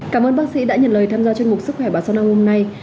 cảm ơn bác sĩ đã nhận lời tham gia chương trình mục sức khỏe bà sơn âu hôm nay